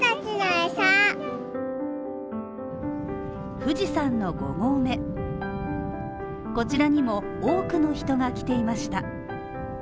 富士山の５合目こちらにも多くの人が来ていました。